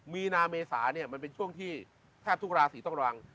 มีนาเมษาเนี่ยมันเป็นช่วงที่แทบทุกราศีต้องรัง